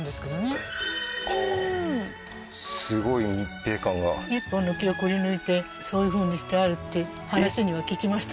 なんかうーん１本の木をくり抜いてそういうふうにしてあるって話には聞きました